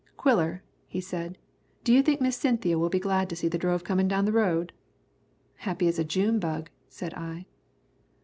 "Quiller," he said, "do you think Miss Cynthia will be glad to see the drove comin' down the road?" "Happy as a June bug," said I.